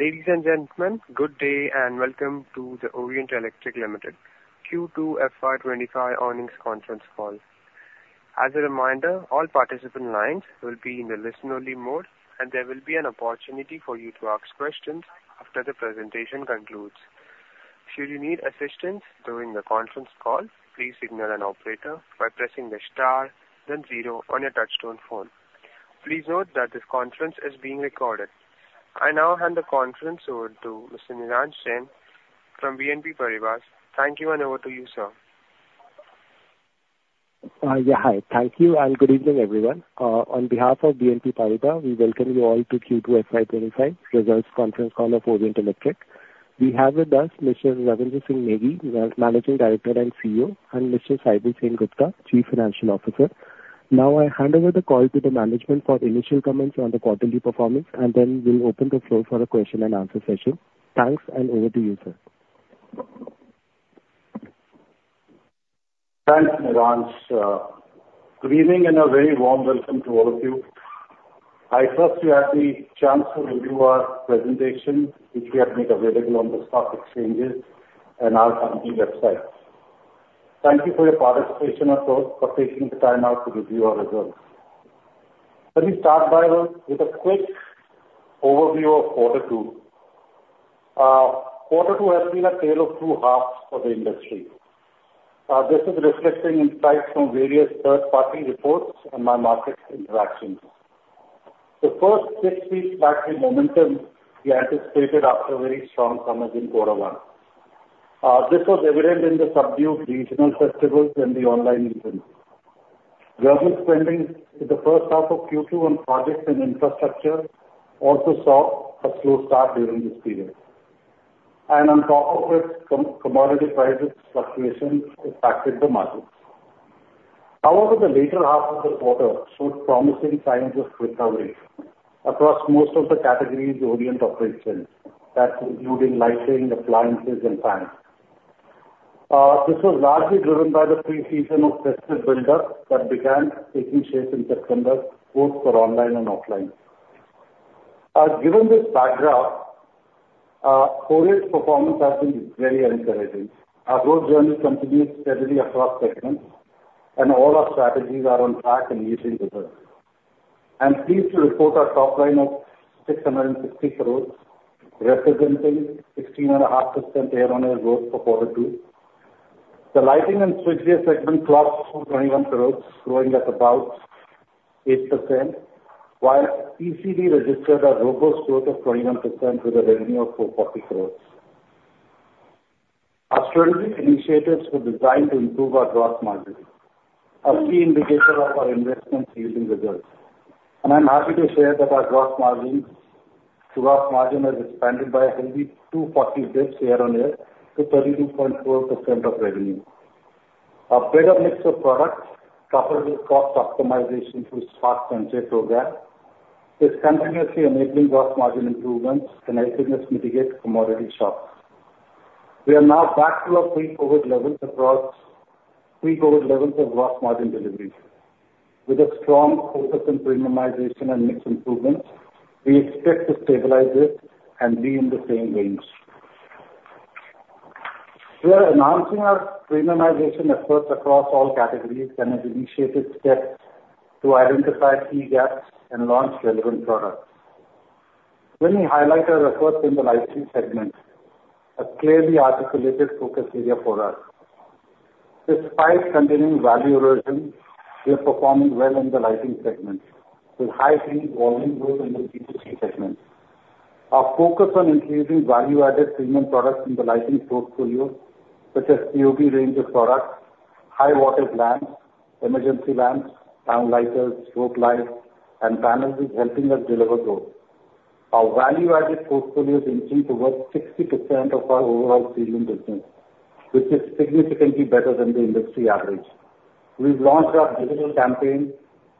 Ladies and gentlemen, good day, and welcome to the Orient Electric Limited Q2 FY25 earnings conference call. As a reminder, all participant lines will be in the listen-only mode, and there will be an opportunity for you to ask questions after the presentation concludes. Should you need assistance during the conference call, please signal an operator by pressing the star then zero on your touchtone phone. Please note that this conference is being recorded. I now hand the conference over to Mr. Neeraj Jain from BNP Paribas. Thank you, and over to you, sir. Yeah, hi. Thank you, and good evening, everyone. On behalf of BNP Paribas, we welcome you all to Q2 FY25 results conference call of Orient Electric. We have with us Mr. Ravindra Singh Negi, the Managing Director and CEO, and Mr. Saibal Sengupta, Chief Financial Officer. Now, I hand over the call to the management for initial comments on the quarterly performance, and then we'll open the floor for a question and answer session. Thanks, and over to you, sir. Thanks, Neeraj. Good evening, and a very warm welcome to all of you. I trust you had the chance to review our presentation, which we have made available on the stock exchanges and our company website. Thank you for your participation, of course, for taking the time out to review our results. Let me start with a quick overview of quarter two. Quarter two has been a tale of two halves for the industry. This is reflecting insights from various third-party reports and my market interactions. The first six weeks lacked the momentum we anticipated after a very strong summer in quarter one. This was evident in the subdued regional festivals and the online season. Rural spending in the first half of Q2 on projects and infrastructure also saw a slow start during this period. Commodity prices fluctuations impacted the markets. However, the latter half of the quarter showed promising signs of recovery across most of the categories Orient operates in. That's including lighting, appliances, and fans. This was largely driven by the pre-season of festival build-up that began taking shape in September, both for online and offline. Given this backdrop, Orient's performance has been very encouraging. Our growth journey continues steadily across segments, and all our strategies are on track and yielding results. I'm pleased to report our top line of 660 crores, representing 16.5% year-on-year growth for quarter two. The lighting and switches segment clocked 421 crores, growing at about 8%, while ECD registered a robust growth of 21% with a revenue of 440 crores. Our strategic initiatives were designed to improve our gross margin, a key indicator of our investments yielding results, and I'm happy to share that our gross margin has expanded by a healthy 240 basis points year on year to 32.4% of revenue. A better mix of products, coupled with cost optimization through SPARK project program, is continuously enabling gross margin improvements and helping us mitigate commodity shocks. We are now back to our pre-COVID levels of gross margin delivery. With a strong focus on premiumization and mix improvements, we expect to stabilize this and be in the same range. We are announcing our premiumization efforts across all categories and have initiated steps to identify key gaps and launch relevant products. Let me highlight our efforts in the lighting segment, a clearly articulated focus area for us. Despite continuing value erosion, we are performing well in the lighting segment, with high single volume growth in the B2C segment. Our focus on introducing value-added premium products in the lighting portfolio, such as COB range of products, high wattage lamps, emergency lamps, downlighters, strip lights, and panels is helping us deliver growth. Our value-added portfolio is inching towards 60% of our overall ceiling business, which is significantly better than the industry average. We've launched our digital campaign,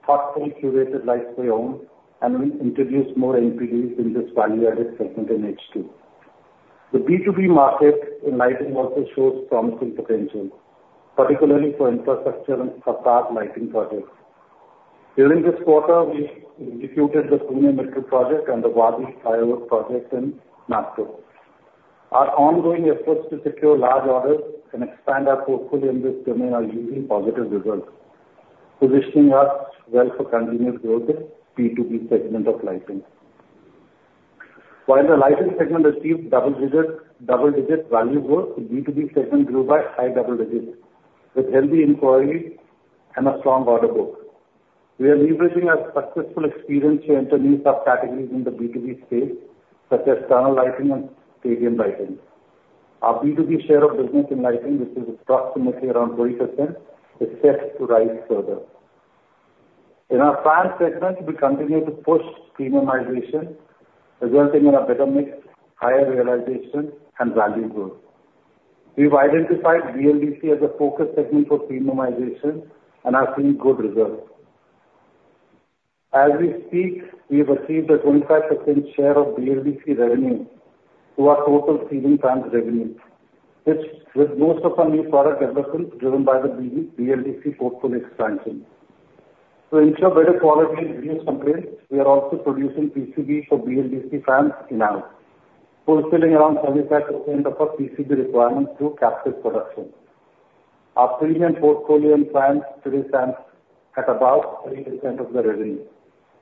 Thoughtfully Curated Lights for Your Home, and we'll introduce more NPDs in this value-added segment in H2. The B2B market in lighting also shows promising potential, particularly for infrastructure and smart lighting projects. During this quarter, we executed the Pune Metro project and the Wadi Highway project in Nagpur. Our ongoing efforts to secure large orders and expand our portfolio in this domain are yielding positive results, positioning us well for continuous growth in B2B segment of lighting. While the lighting segment achieved double digits, double-digit value growth, the B2B segment grew by high double digits with healthy inquiries and a strong order book. We are leveraging our successful experience to enter new subcategories in the B2B space, such as tunnel lighting and stadium lighting. Our B2B share of business in lighting, which is approximately around 20%, is set to rise further. In our fans segment, we continue to push premiumization, resulting in a better mix, higher realization, and value growth. We've identified BLDC as a focus segment for premiumization and are seeing good results. As we speak, we have achieved a 25% share of BLDC revenue to our total ceiling fans revenue, which, with most of our new product investments driven by the BLDC portfolio expansion, so ensure better quality and reduce complaints, we are also producing PCB for BLDC fans in-house, fulfilling around 75% of our PCB requirements through captive production. Our premium portfolio in fans today stands at about 30% of the revenue,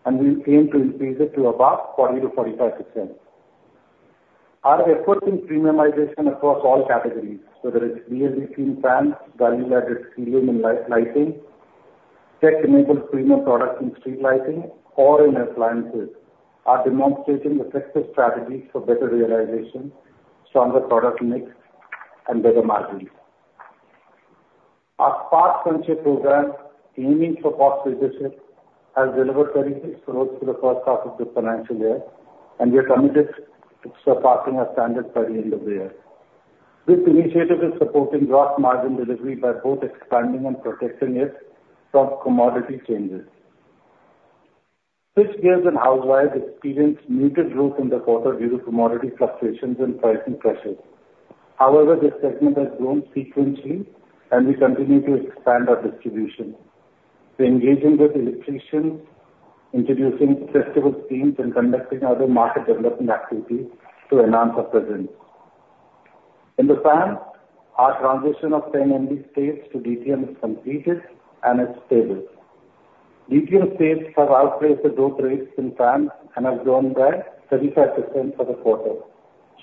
and we aim to increase it to above 40%-45%. Our efforts in premiumization across all categories, whether it's BLDC fans, vanilla LED ceiling and lighting, tech-enabled premium products in street lighting or in appliances, are demonstrating effective strategies for better realization, stronger product mix, and better margins. Our Project Spark program, aiming for cost leadership, has delivered INR 36 crores for the first half of the financial year, and we are committed to surpassing our target by the end of the year. This initiative is supporting gross margin delivery by both expanding and protecting it from commodity changes. Switchgears and house wires experienced muted growth in the quarter due to commodity fluctuations and pricing pressures. However, this segment has grown sequentially, and we continue to expand our distribution. We're engaging with electricians, introducing festival schemes, and conducting other market development activities to enhance our presence. In the fans, our transition of 10 MD states to DTM is completed and is stable. DTM states have outpaced the GT rates in fans and have grown by 35% for the quarter,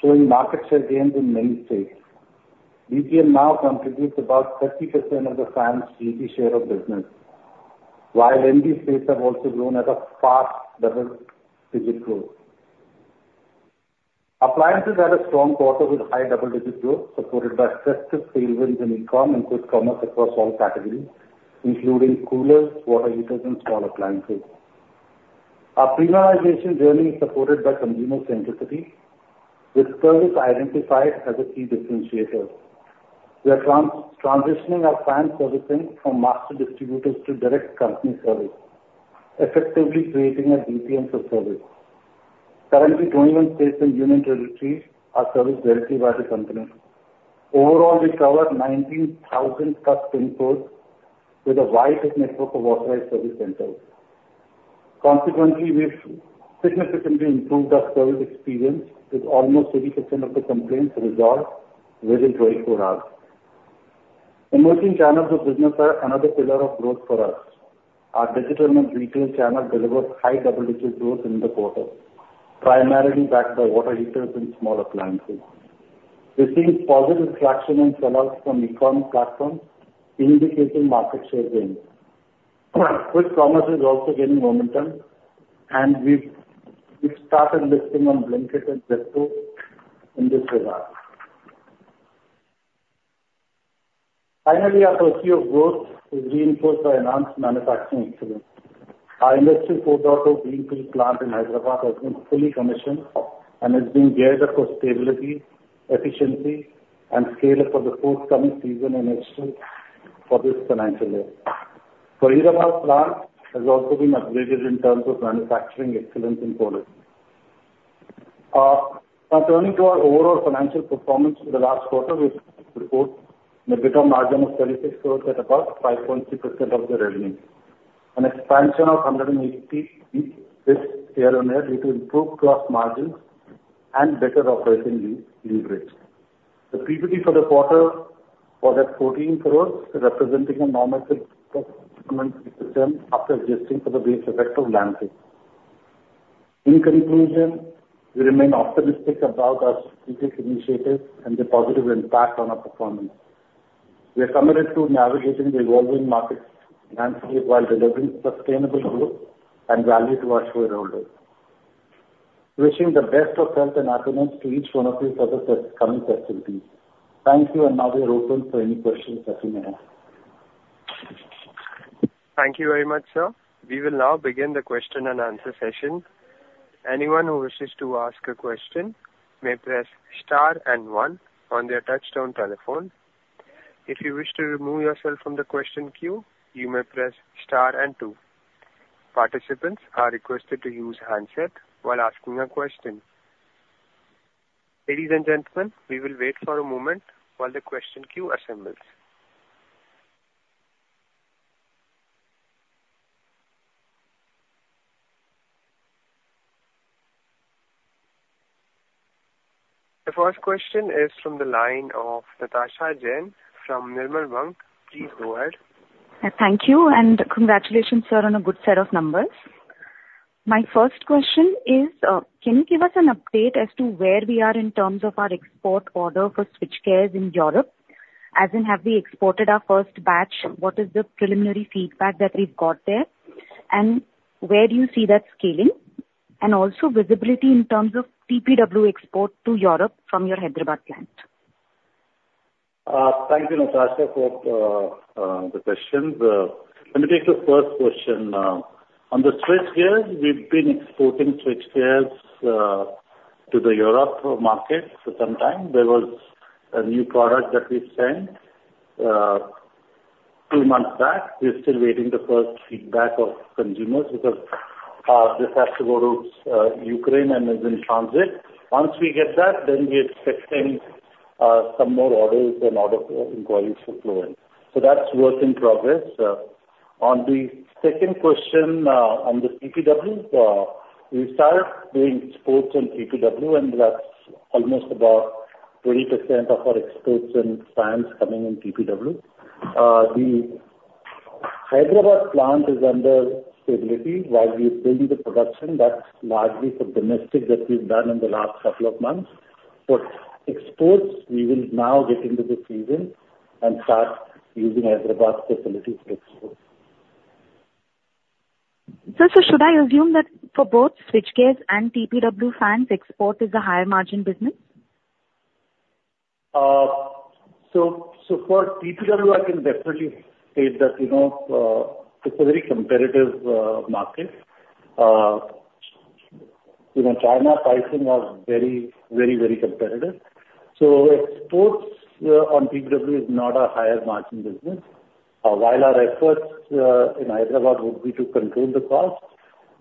showing market share gains in many states. DTM now contributes about 30% of the fans' GT share of business, while MD states have also grown at a fast double-digit growth. Appliances had a strong quarter with high double-digit growth, supported by effective sales wins in e-com and quick commerce across all categories, including coolers, water heaters and small appliances. Our premiumization journey is supported by consumer centricity, with service identified as a key differentiator. We are transitioning our fan servicing from master distributors to direct company service, effectively creating a DTM for service. Currently, 21 states and union territories are serviced directly by the company. Overall, we covered 19,000 plus pin codes with the widest network of authorized service centers. Consequently, we've significantly improved our service experience, with almost 30% of the complaints resolved within 24 hours. Emerging channels of business are another pillar of growth for us. Our digital and retail channel delivered high double-digit growth in the quarter, primarily backed by water heaters and small appliances. We're seeing positive traction and sell-offs from e-commerce platforms, indicating market share gain. Quick commerce is also gaining momentum, and we've started listing on Blinkit and Zepto in this regard. Finally, our pursuit of growth is reinforced by enhanced manufacturing excellence. Our Industry 4.0 greenfield plant in Hyderabad has been fully commissioned and is being geared up for stability, efficiency, and scale for the forthcoming season and exports for this financial year. Hyderabad plant has also been upgraded in terms of manufacturing excellence and quality. Now, turning to our overall financial performance for the last quarter, we report an EBITDA margin of INR 36 crores at about 5.6% of the revenue, an expansion of 180 basis points year on year due to improved gross margins and better operating leverage. The PBT for the quarter was at 14 crores, representing a nominal growth of 2.6% after adjusting for the base effect of last year. In conclusion, we remain optimistic about our strategic initiatives and the positive impact on our performance. We are committed to navigating the evolving markets landscape while delivering sustainable growth and value to our shareholders. Wishing the best of health and happiness to each one of you for the coming festival season. Thank you, and now we are open for any questions that you may have. Thank you very much, sir. We will now begin the question and answer session. Anyone who wishes to ask a question may press star and one on their touchtone telephone. If you wish to remove yourself from the question queue, you may press star and two. Participants are requested to use handset while asking a question. Ladies and gentlemen, we will wait for a moment while the question queue assembles. The first question is from the line of Natasha Jain from Nirmal Bang. Please go ahead. Thank you, and congratulations, sir, on a good set of numbers. My first question is, can you give us an update as to where we are in terms of our export order for switchgears in Europe? As in, have we exported our first batch? What is the preliminary feedback that we've got there, and where do you see that scaling? And also visibility in terms of TPW export to Europe from your Hyderabad plant. Thank you, Natasha, for the questions. Let me take the first question. On the switchgears, we've been exporting switchgears to the Europe market for some time. There was a new product that we sent two months back. We're still waiting for the first feedback from consumers because this has to go to Ukraine and is in transit. Once we get that, then we expect some more orders and order inquiries to flow in. So that's work in progress. On the second question, on the TPW, we started doing exports in TPW, and that's almost about 20% of our exports in fans is coming in TPW. The Hyderabad plant is under stabilization while we build the production. That's largely for domestic that we've done in the last couple of months. But exports, we will now get into the season and start using Hyderabad facility for export. Sir, so should I assume that for both switchgears and TPW fans, export is a higher margin business? So, for TPW, I can definitely say that, you know, it's a very competitive market. You know, China pricing was very, very, very competitive. So exports on TPW is not a higher margin business. While our efforts in Hyderabad would be to control the cost,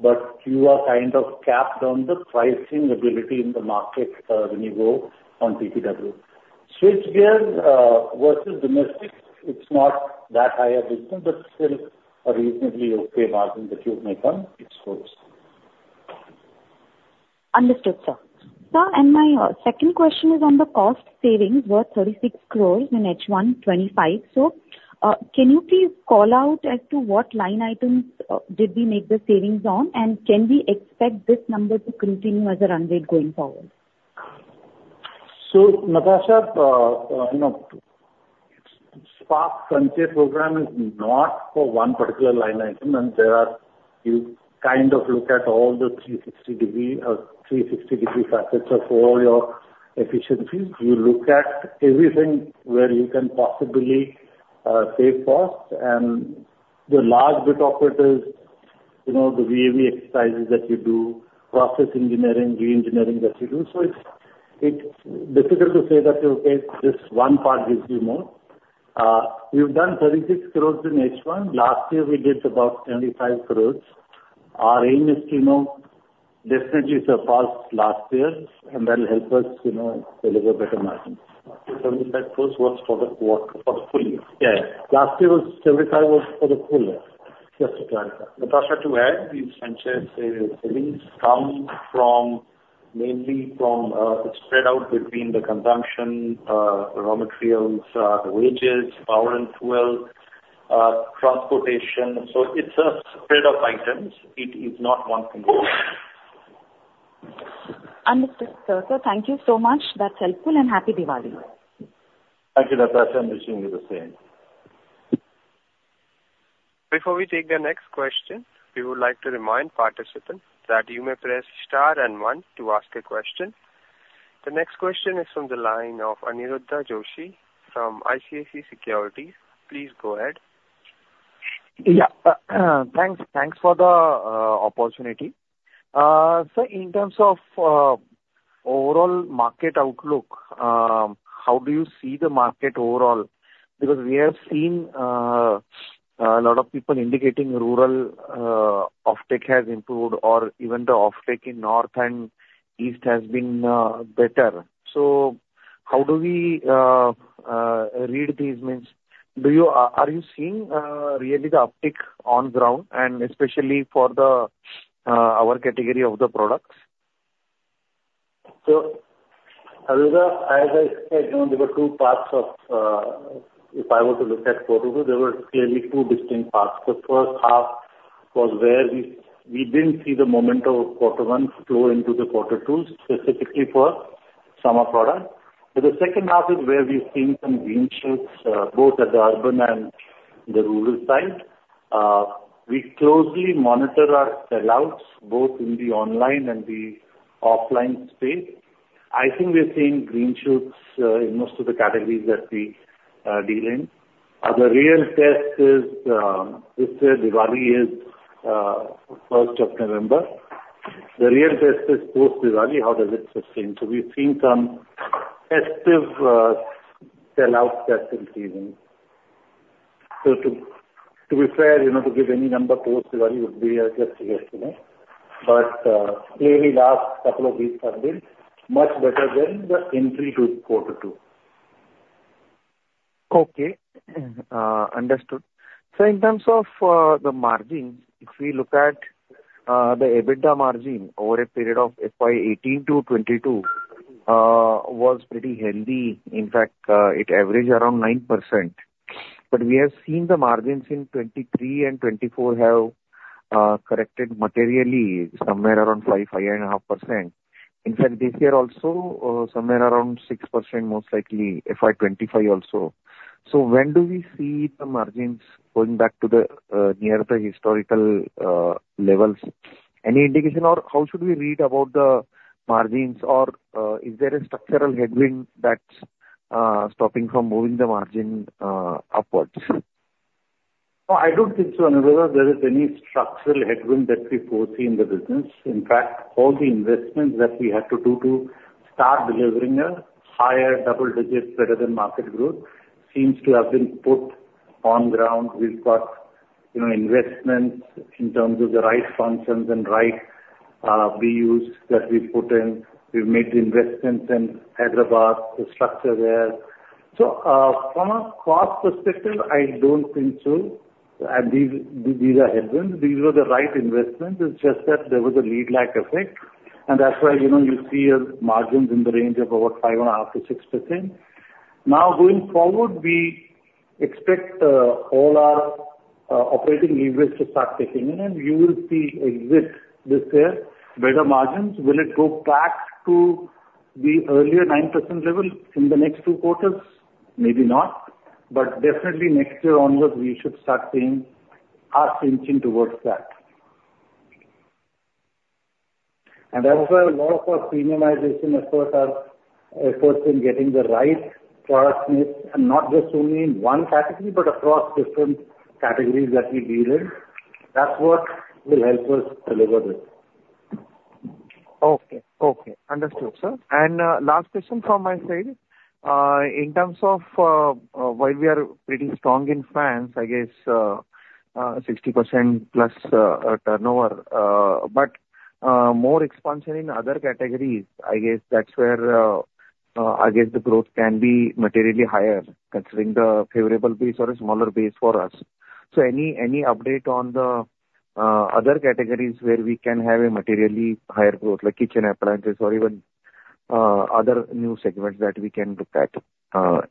but you are kind of capped on the pricing ability in the market when you go on TPW. Switchgears versus domestic, it's not that high a business, but still a reasonably okay margin that you make on exports. Understood, sir. Sir, and my second question is on the cost savings, were 36 crores in H1 FY25. So, can you please call out as to what line items did we make the savings on? And can we expect this number to continue as a run rate going forward? So, Natasha, you know, SPARK program is not for one particular line item, and there are. You kind of look at all the 360-degree facets of all your efficiencies. You look at everything where you can possibly save costs, and the large bit operators, you know, the VA/VE exercises that you do, process engineering, reengineering that you do. So it's difficult to say that, okay, this one part gives you more. We've done 36 crores in H1. Last year we did about 75 crores. Our aim is to, you know, definitely surpass last year's, and that'll help us, you know, deliver better margins. INR 75 crores was for the what? For the full year. Yeah, yeah. Last year was 75 for the full year. Just to clarify. Natasha, to add, these savings come from, mainly from, spread out between the consumption, raw materials, wages, power and fuel, transportation. So it's a spread of items. It is not one thing. Understood, sir. Sir, thank you so much. That's helpful, and Happy Diwali. Thank you, Natasha. I'm wishing you the same. Before we take the next question, we would like to remind participants that you may press star and one to ask a question. The next question is from the line of Aniruddha Joshi from ICICI Securities. Please go ahead. Yeah. Thanks for the opportunity. Sir, in terms of overall market outlook, how do you see the market overall? Because we have seen a lot of people indicating rural offtake has improved or even the offtake in north and east has been better. So how do we read these means? Do you, Are you seeing really the uptick on ground and especially for our category of the products? So, Aniruddha, as I said, you know, there were two parts of, if I were to look at quarter two, there were clearly two distinct parts. The first half was where we didn't see the momentum of quarter one flow into the quarter two, specifically for summer products. But the second half is where we've seen some green shoots, both at the urban and the rural side. We closely monitor our sellouts, both in the online and the offline space. I think we're seeing green shoots, in most of the categories that we deal in. The real test is, this year, Diwali is, first of November. The real test is post-Diwali, how does it sustain? So we've seen some festive, sellout that season. To be fair, you know, to give any number post-Diwali would be just a guess, you know. Clearly, last couple of weeks have been much better than the entry to quarter two. Okay. Understood. So in terms of the margins, if we look at the EBITDA margin over a period of FY 2018 to 2022 was pretty healthy. In fact, it averaged around 9%. But we have seen the margins in 2023 and 2024 have corrected materially somewhere around 5, 5.5%. In fact, this year also somewhere around 6%, most likely FY 2025 also. So when do we see the margins going back to the near the historical levels? Any indication, or how should we read about the margins? Or is there a structural headwind that's stopping from moving the margin upwards? No, I don't think so, Aniruddha, there is any structural headwind that we foresee in the business. In fact, all the investments that we had to do to start delivering a higher double digit better than market growth seems to have been put on ground. We've got you know, investments in terms of the right functions and right, BUs that we put in. We've made the investments in Hyderabad, the structure there. So, from a cost perspective, I don't think so, and these, these are headwinds. These were the right investments. It's just that there was a lead lag effect, and that's why, you know, you see your margins in the range of about 5.5%-6%. Now, going forward, we expect all our operating leverage to start kicking in, and you will see a lift this year, better margins. Will it go back to the earlier 9% level in the next two quarters? Maybe not. But definitely next year onwards, we should start seeing us inching towards that. And that's where a lot of our premiumization efforts are, efforts in getting the right product mix, and not just only in one category, but across different categories that we deal in. That's what will help us deliver this. Okay. Okay, understood, sir. And, last question from my side. In terms of, while we are pretty strong in fans, I guess, 60%+, turnover, but, more expansion in other categories, I guess that's where, I guess the growth can be materially higher, considering the favorable base or a smaller base for us. So any update on the, other categories where we can have a materially higher growth, like kitchen appliances or even, other new segments that we can look at?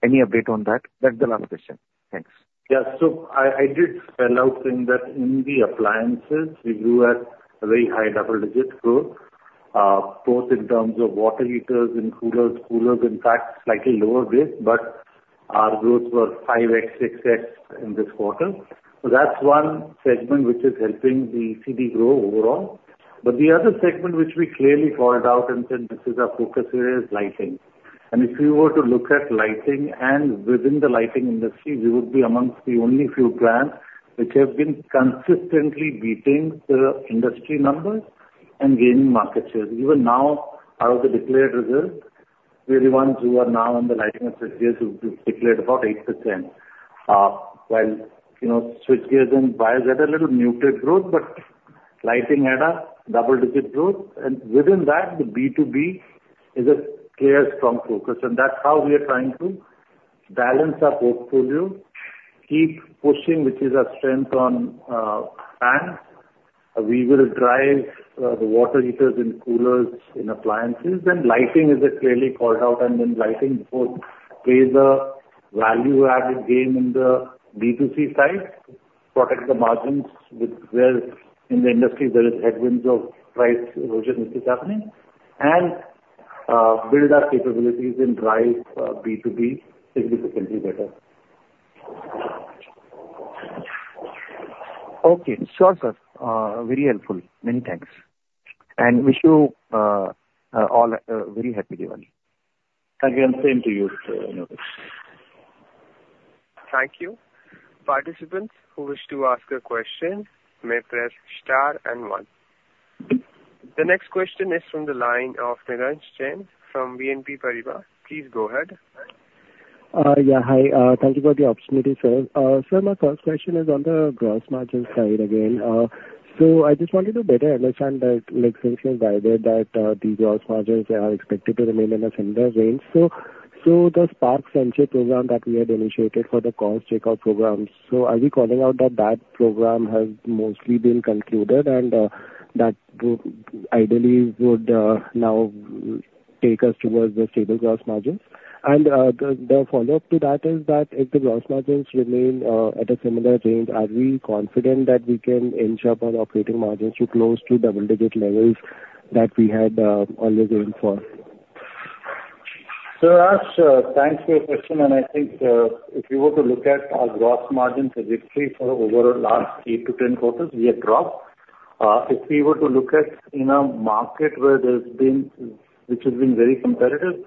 Any update on that? That's the last question. Thanks. Yeah. So I did spell out in that in the appliances, we grew at a very high double digit growth, both in terms of water heaters and coolers. Coolers, in fact, slightly lower base, but our growth was 5x, 6x in this quarter. So that's one segment which is helping the ECD grow overall. But the other segment, which we clearly called out and said this is our focus area, is lighting. And if you were to look at lighting and within the lighting industry, we would be amongst the only few brands which have been consistently beating the industry numbers and gaining market share. Even now, out of the declared results, we are the ones who are now in the lighting segment, who declared about 8%, while, you know, switchgears and wires had a little muted growth, but lighting had a double-digit growth. And within that, the B2B is a clear, strong focus, and that's how we are trying to balance our portfolio, keep pushing, which is our strength on fans. We will drive the water heaters and coolers in appliances. Then lighting is clearly called out, and then lighting both plays a value-added game in the B2C side, protect the margins with where in the industry there is headwinds of price erosion, which is happening, and build our capabilities and drive B2B significantly better. Okay. Sure, sir. Very helpful. Many thanks. And wish you all a very happy Diwali. Again, same to you, Joshi. Thank you. Participants who wish to ask a question may press star and one. The next question is from the line of Neeraj Jain from BNP Paribas. Please go ahead. Yeah, hi. Thank you for the opportunity, sir. Sir, my first question is on the gross margin side again. So I just wanted to better understand that like since you guided that the gross margins are expected to remain in a similar range. So the SPARK program that we had initiated for the cost takeout programs, are we calling out that that program has mostly been concluded, and that group ideally would now take us towards the stable gross margins? And the follow-up to that is that if the gross margins remain at a similar range, are we confident that we can inch up our operating margins to close to double digit levels that we had earlier aimed for? So Niransh, thanks for your question, and I think, if you were to look at our gross margin trajectory for over the last eight to 10 quarters, we have dropped. If we were to look at in a market where there's been, which has been very competitive,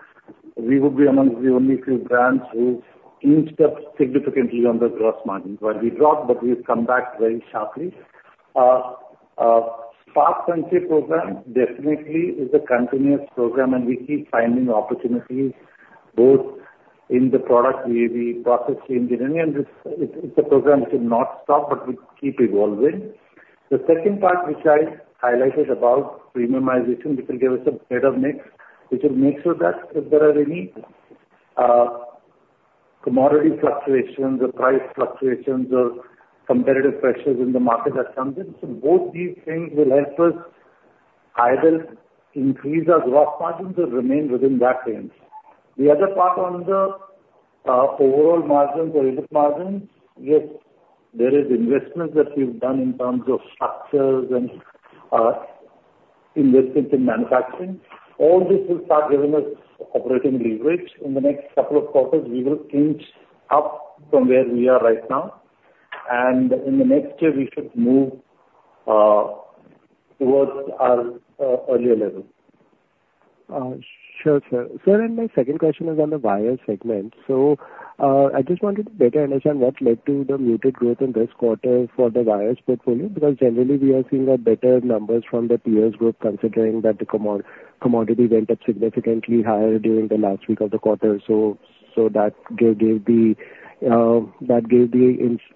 we would be amongst the only few brands who inched up significantly on the gross margins. While we dropped, but we've come back very sharply. SPARK program definitely is a continuous program, and we keep finding opportunities both in the product, process engineering, and it's a program which will not stop, but we keep evolving. The second part, which I highlighted about premiumization, which will give us a better mix, which will make sure that if there are any, commodity fluctuations or price fluctuations or competitive pressures in the market that comes in, so both these things will help us either increase our gross margins or remain within that range. The other part on the overall margins or unit margins, yes, there is investment that we've done in terms of structures and investments in manufacturing. All this will start giving us operating leverage. In the next couple of quarters, we will inch up from where we are right now, and in the next year, we should move towards our earlier level. Sure, sir. Sir, and my second question is on the wire segment. So, I just wanted to better understand what led to the muted growth in this quarter for the wires portfolio, because generally we are seeing a better numbers from the peers group, considering that the commodity went up significantly higher during the last week of the quarter. So, that gave the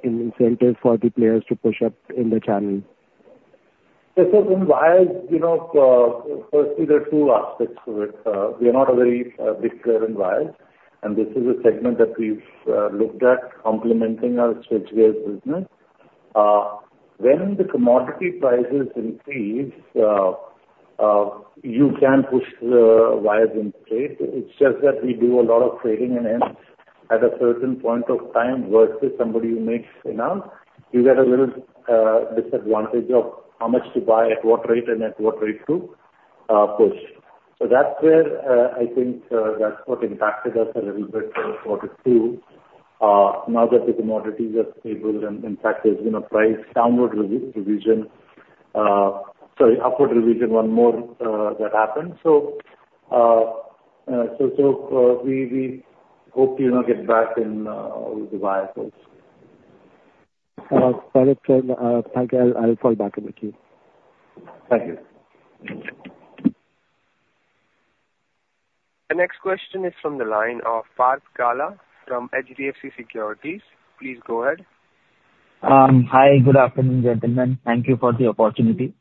incentive for the players to push up in the channel. This is in wires, you know, firstly, there are two aspects to it. We are not a very big player in wires, and this is a segment that we've looked at complementing our switchgears business. When the commodity prices increase, you can push the wires in place. It's just that we do a lot of trading, and then at a certain point of time versus somebody who makes enough, you get a little disadvantage of how much to buy, at what rate and at what rate to push. So that's where, I think, that's what impacted us a little bit in quarter two. Now that the commodities are stable and, in fact, there's been a price downward revision, sorry, upward revision, one more that happened. We hope to now get back in with the wires also. Well, it's said, thank you. I'll call back with you. Thank you. The next question is from the line of Parth Gala from HDFC Securities. Please go ahead. Hi, good afternoon, gentlemen. Thank you for the opportunity.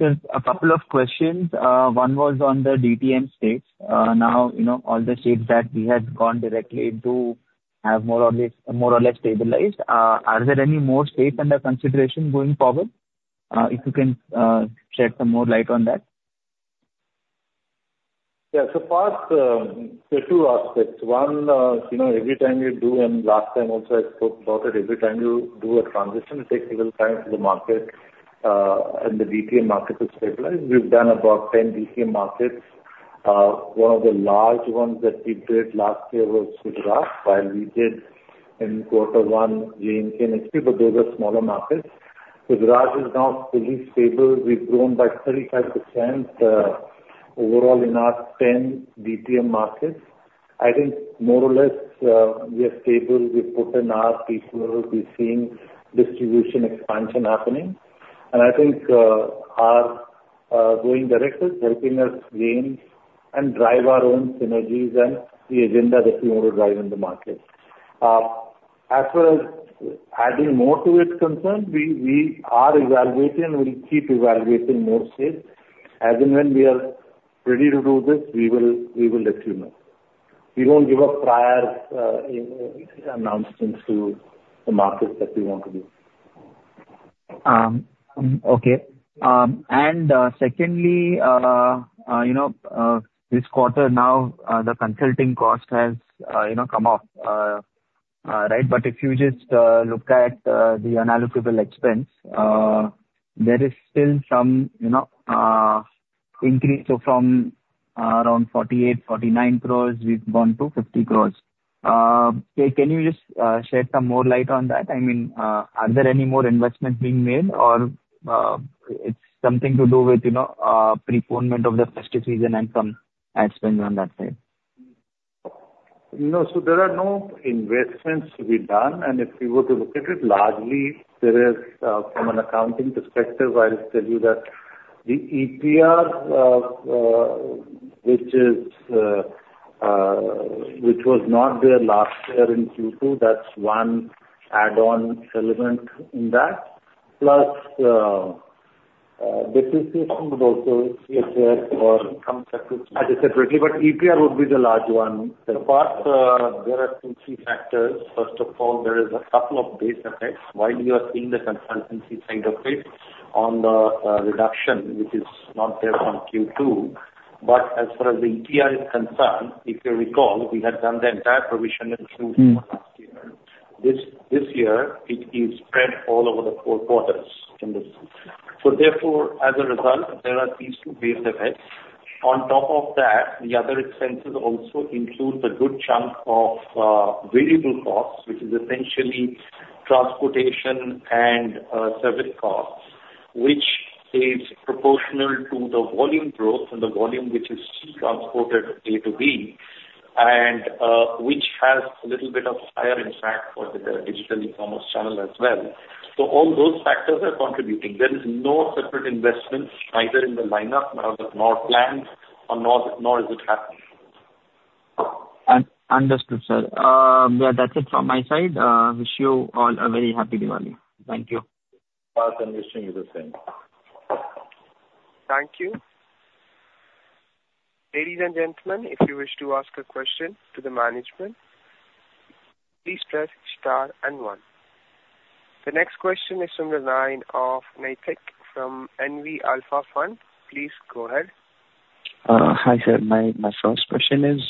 Just a couple of questions. One was on the DTM states. Now, you know, all the states that we had gone directly into have more or less, more or less stabilized. Are there any more states under consideration going forward? If you can shed some more light on that. Yeah. So Paarth, there are two aspects. One, you know, every time you do, and last time also I spoke about it, every time you do a transition, it takes a little time for the market, and the DTM market to stabilize. We've done about 10 DTM markets. One of the large ones that we did last year was Gujarat, while we did in quarter one, J&K, but those are smaller markets. Gujarat is now fully stable. We've grown by 35%, overall in our 10 DTM markets. I think more or less, we are stable. We've put in our people. We're seeing distribution expansion happening, and I think, our going direct is helping us gain and drive our own synergies and the agenda that we want to drive in the market. As far as adding more to it is concerned, we are evaluating, and we'll keep evaluating more states. As and when we are ready to do this, we will let you know. We don't give a prior announcement to the market that we want to do. Okay, and you know, this quarter now, the consulting cost has, you know, come off, right, but if you just look at the unallocable expense, there is still some, you know, increase from around 48 crores- 49 crores. We've gone to 50 crores. Can you just shed some more light on that? I mean, are there any more investments being made or it's something to do with, you know, preponement of the festive season and some ad spend on that side? No. So there are no investments to be done, and if you were to look at it largely, there is, from an accounting perspective, I'll tell you that the EPR, which was not there last year in Q2, that's one add-on element in that. Plus, depreciation would also be there for some separate- As a separately, but EPR would be the large one. The first, there are some key factors. First of all, there is a couple of base effects. While you are seeing the consultancy side of it on the reduction, which is not there on Q2, but as far as the EPR is concerned, if you recall, we had done the entire provision in Q4 last year. Mm. This year, it is spread all over the four quarters in this. So therefore, as a result, there are these two base effects. On top of that, the other expenses also include a good chunk of variable costs, which is essentially transportation and service costs, which is proportional to the volume growth and the volume which is transported A to B, and which has a little bit of higher impact for the digital e-commerce channel as well. So all those factors are contributing. There is no separate investment either in the lineup, nor planned, nor is it happening. Understood, sir. Yeah, that's it from my side. Wish you all a very happy Diwali. Thank you. Parth, and wishing you the same. Thank you. Ladies and gentlemen, if you wish to ask a question to the management, please press star and one. The next question is from the line of Naitik from NV Alpha Fund. Please go ahead. Hi, sir. My first question is,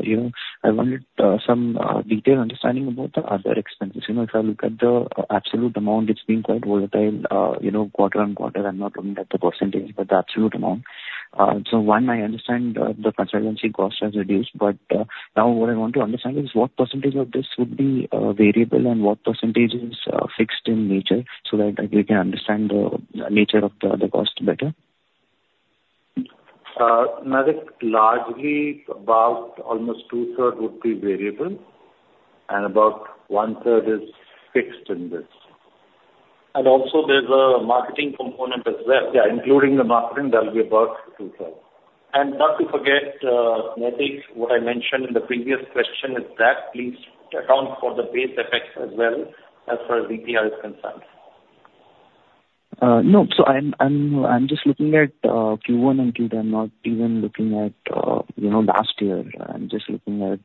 you know, I wanted some detailed understanding about the other expenses. You know, if I look at the absolute amount, it's been quite volatile, you know, quarter on quarter. I'm not looking at the percentage, but the absolute amount. So one, I understand the consultancy cost has reduced, but now what I want to understand is what percentage of this would be variable and what percentage is fixed in nature so that we can understand the nature of the cost better? Naitik, largely about almost 2/3 would be variable and about one-third is fixed in this. Also there's a marketing component as well. Yeah, including the marketing, that will be about 2/3 and not to forget, Naitik, what I mentioned in the previous question is that, please account for the base effects as well, as far as EPR is concerned. No. So I'm just looking at Q1 and Q2. I'm not even looking at, you know, last year. I'm just looking at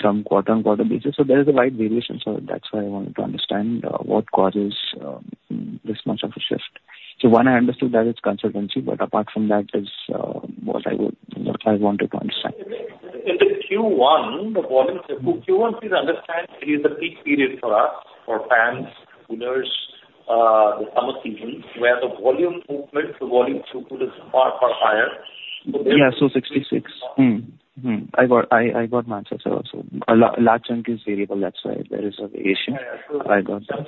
from quarter on quarter basis, so there is a wide variation, so that's why I wanted to understand what causes this much of a shift. So one, I understood that it's consultancy, but apart from that is what I would, what I wanted to understand. In the Q1, the volume, Q1, please understand, is a peak period for us, for fans, coolers, the summer season, where the volume movement, the volume throughput is far, far higher. Yeah, so 66. Mm-hmm. Mm-hmm. I got my answer also. A large chunk is variable, that's why there is a variation. Yeah, yeah. I got that.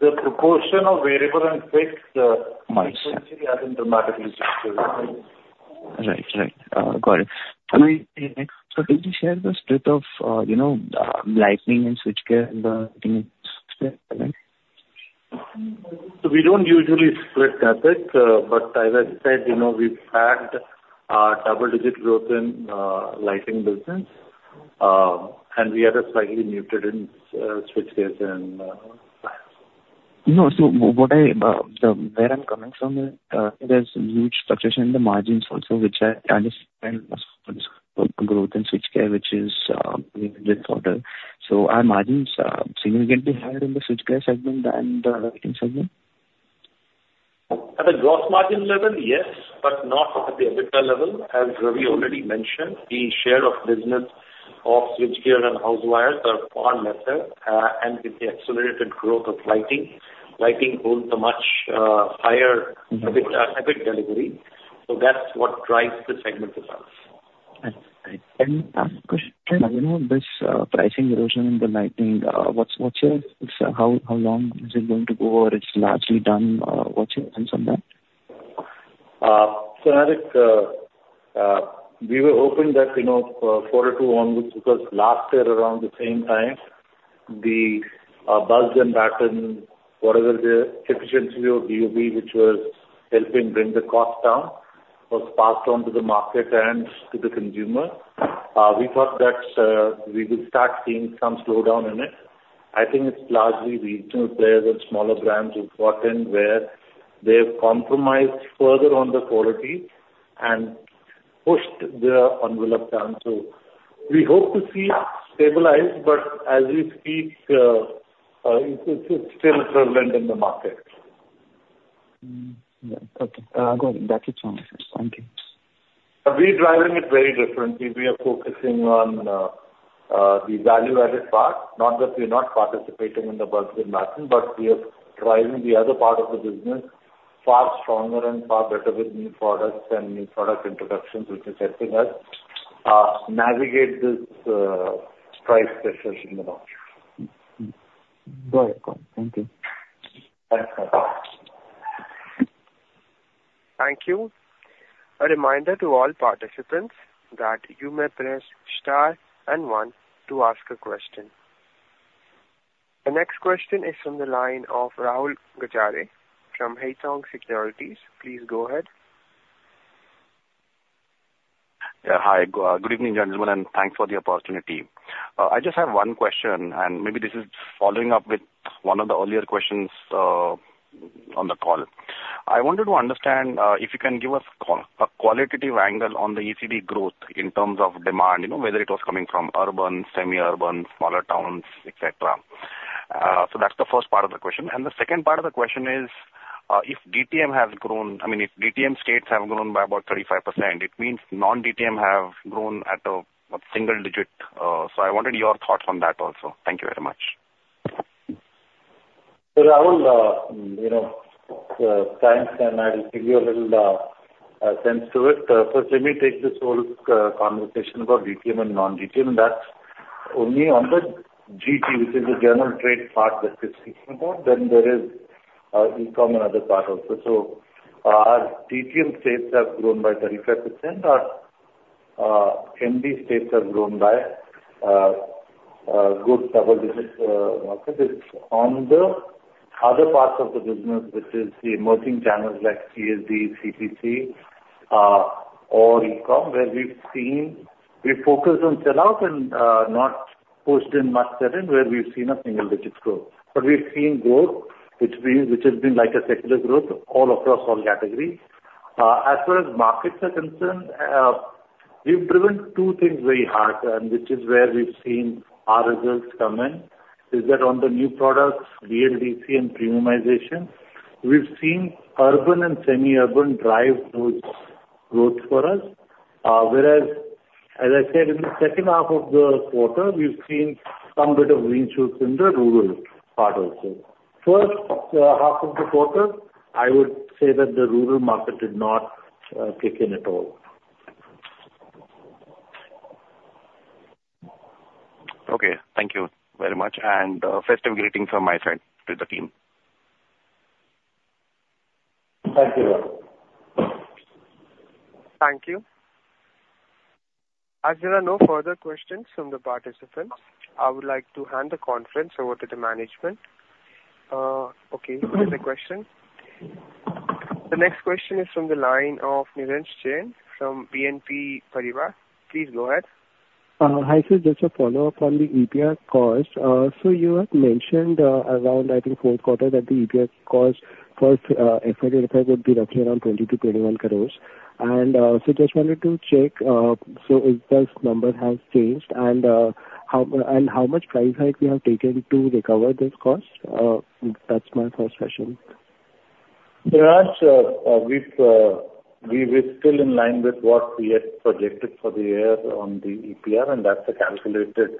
The proportion of variable and fixed, Gotcha. Hasn't dramatically shifted. Right. Right. Got it. So could you share the split of, you know, lighting and switchgear? We don't usually split CapEx, but as I said, you know, we've had a double-digit growth in lighting business, and we are slightly muted in switchgear. No, so what I where I'm coming from is, there's huge fluctuation in the margins also, which I just find growth in switchgear, which is in this quarter. So are margins significantly higher in the switchgear segment than the lighting segment? At the gross margin level, yes, but not at the EBITDA level. As Ravi already mentioned, the share of business of switchgear and house wires are far lesser, and with the accelerated growth of lighting, lighting holds a much, higher- Mm-hmm. EBIT, EBIT delivery, so that's what drives the segment results. Right. Right. And last question: You know, this pricing erosion in the lighting, what's your... How long is it going to go, or it's largely done? What's your thoughts on that? So Naitik, we were hoping that, you know, quarter two onwards, because last year around the same time, the bulbs and battens, whatever the efficiency of DOB, which was helping bring the cost down, was passed on to the market and to the consumer. We thought that we would start seeing some slowdown in it. I think it's largely regional players and smaller brands who've gotten in, where they've compromised further on the quality and pushed the envelope down. So we hope to see it stabilize, but as we speak, it's still prevalent in the market. Mm, yeah. Okay. Got it. That's it from my side. Thank you. We're driving it very differently. We are focusing on the value-added part, not that we're not participating in the bulbs and battens, but we are driving the other part of the business far stronger and far better with new products and new product introductions, which is helping us navigate this price pressure in the market. Mm-hmm. Got it, got it. Thank you. Thanks, Naitik. Thank you. A reminder to all participants that you may press star and One to ask a question. The next question is from the line of Rahul Gajare from Haitong Securities. Please go ahead. Yeah, hi, good evening, gentlemen, and thanks for the opportunity. I just have one question, and maybe this is following up with one of the earlier questions on the call. I wanted to understand if you can give us a qualitative angle on the ECD growth in terms of demand, you know, whether it was coming from urban, semi-urban, smaller towns, et cetera. So that's the first part of the question. And the second part of the question is, if DTM has grown. I mean, if DTM states have grown by about 35%, it means non-DTM have grown at a single digit, so I wanted your thoughts on that also. Thank you very much. So Rahul, you know, thanks, and I'll give you a little sense to it. First, let me take this whole conversation about DTM and non-DTM. That's only on the GT, which is the general trade part that we're speaking about. Then there is e-com other part also. So our DTM states have grown by 35%. Our MD states have grown by good double digits, okay? This on the other parts of the business, which is the emerging channels like CSD, CPC, or e-com, where we've focused on sellout and not pushed in much certain, where we've seen a single-digits growth. But we've seen growth, which has been like a secular growth all across all categories. As far as markets are concerned, we've driven two things very hard, and which is where we've seen our results come in, is that on the new products, BLDC and premiumization, we've seen urban and semi-urban drive good growth for us. Whereas, as I said, in the second half of the quarter, we've seen some bit of green shoots in the rural part also. First half of the quarter, I would say that the rural market did not kick in at all. Okay, thank you very much, and festive greetings from my side to the team. Thank you, Rahul. Thank you. As there are no further questions from the participants, I would like to hand the conference over to the management. Okay, there's a question. The next question is from the line of Neeraj Jain from BNP Paribas. Please go ahead. Hi, sir. Just a follow-up on the EPR cost. So you had mentioned, around, I think, fourth quarter that the EPR cost for FY25 would be roughly around 20 crores-21 crores. And so just wanted to check, so if this number has changed and how much price hike you have taken to recover this cost? That's my first question. Niransh, we've, we're still in line with what we had projected for the year on the EPR, and that's a calculated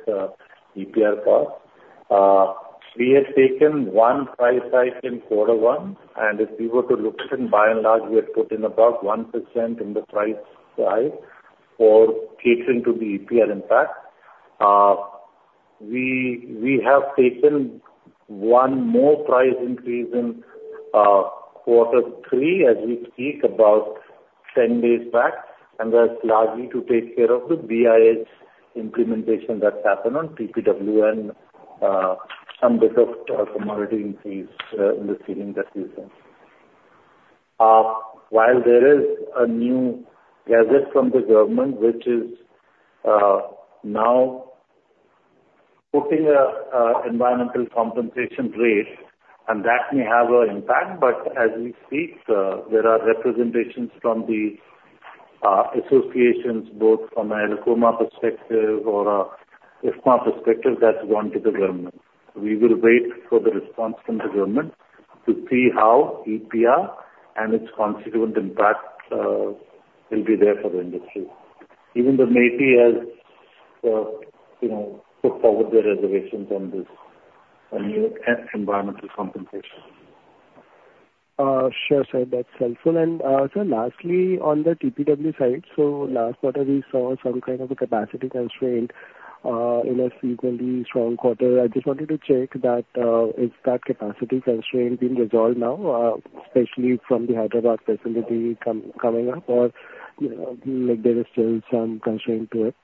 EPR cost. We had taken one price hike in quarter one, and if you were to look at it, by and large, we had put in about 1% in the price hike for catering to the EPR impact. We have taken one more price increase in quarter three as we speak, about 10 days back, and that's largely to take care of the BIS implementation that happened on TPW and some bit of commodity increase in the ceiling that we sell. While there is a new gazette from the government, which is now putting an environmental compensation rate, and that may have an impact, but as we speak, there are representations from the associations, both from an industry perspective or a IFMA perspective, that's gone to the government. We will wait for the response from the government to see how EPR and its constituent impact will be there for the industry. Even the industry has, you know, put forward their reservations on this, a new environmental compensation. Sure, sir, that's helpful. Sir, lastly, on the TPW side, so last quarter we saw some kind of a capacity constraint in an inherently strong quarter. I just wanted to check that. Is that capacity constraint been resolved now, especially from the Hyderabad facility coming up, or, you know, like there is still some constraint to it?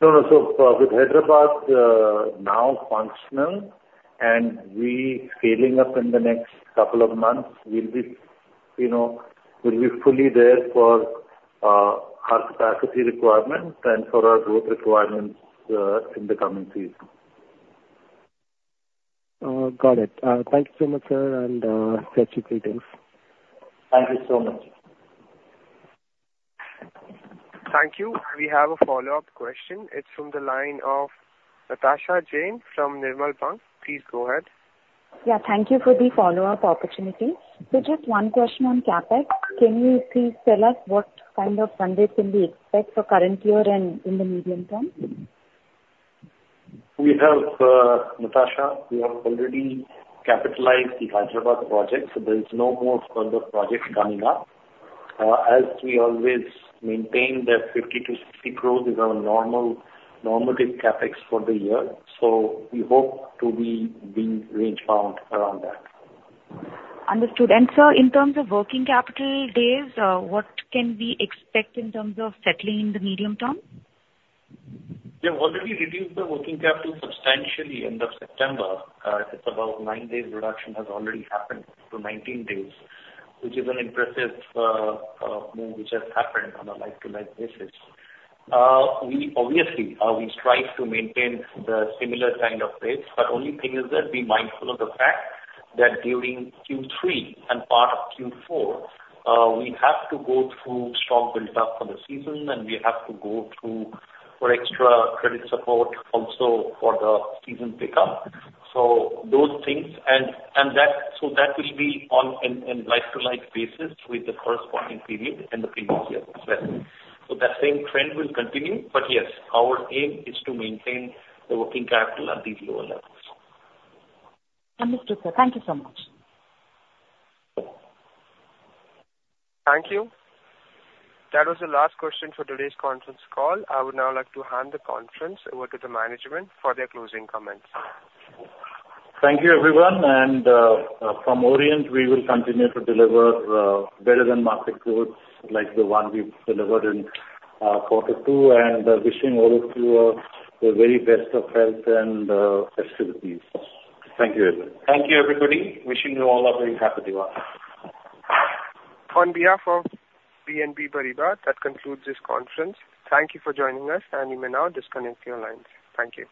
No, no. So, with Hyderabad now functional and we scaling up in the next couple of months, we'll be, you know, we'll be fully there for our capacity requirements and for our growth requirements in the coming season. Got it. Thank you so much, sir, and wish you good things. Thank you so much. Thank you. We have a follow-up question. It's from the line of Natasha Jain from Nirmal Bang. Please go ahead. Yeah, thank you for the follow-up opportunity. So just one question on CapEx. Can you please tell us what kind of funding can we expect for current year and in the medium term? We have, Natasha, we have already capitalized the Hyderabad project, so there is no more further projects coming up. As we always maintain that 50 crores-60 crores is our normal normative CapEx for the year, so we hope to be range-bound around that. Understood, and sir, in terms of working capital days, what can we expect in terms of settling in the medium term? We have already reduced the working capital substantially end of September. It's about nine days reduction has already happened to 19 days, which is an impressive move which has happened on a like-to-like basis. We obviously strive to maintain the similar kind of rates, but only thing is that be mindful of the fact that during Q3 and part of Q4, we have to go through stock build-up for the season, and we have to go through for extra credit support also for the season pickup. So those things. And that so that will be on a like-to-like basis with the corresponding period in the previous year as well. So that same trend will continue, but yes, our aim is to maintain the working capital at these lower levels. Understood, sir. Thank you so much. Thank you. That was the last question for today's conference call. I would now like to hand the conference over to the management for their closing comments. Thank you, everyone, and from Orient, we will continue to deliver better than market growth like the one we've delivered in quarter two, and wishing all of you the very best of health and festivities. Thank you, everyone. Thank you, everybody. Wishing you all a very happy Diwali. On behalf of BNP Paribas, that concludes this conference. Thank you for joining us, and you may now disconnect your lines. Thank you.